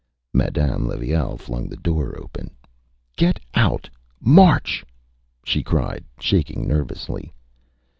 Â Madame Levaille flung the door open. ÂGet out! March!Â she cried, shaking nervously.